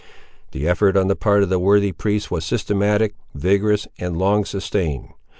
The effort on the part of the worthy priest was systematic, vigorous, and long sustained.